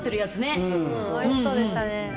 おいしそうでしたね。